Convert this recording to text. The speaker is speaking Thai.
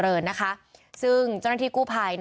มีคนเสียชีวิตคุณ